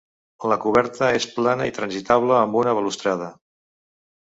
La coberta és plana i transitable amb una balustrada.